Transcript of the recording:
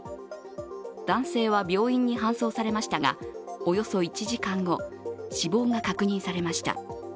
男性は病院に搬送されましたが、およそ１時間後、死亡が確認されました。